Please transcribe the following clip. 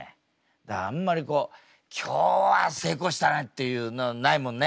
だからあんまりこう「今日は成功したね！」っていうのないもんね。